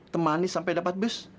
temani sampai dapat bus